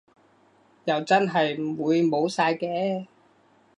又真係唔會冇晒嘅